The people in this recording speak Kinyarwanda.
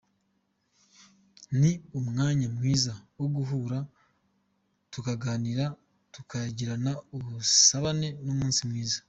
Ni umwanya mwiza wo guhura tukaganira tukagirana ubusabane n’umunsi mwiza.